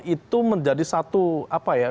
itu menjadi satu apa ya